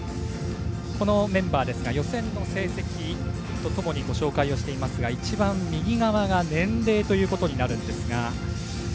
このメンバーですが予選の成績とともにご紹介をしていますが一番右側が年齢ということになるんですが。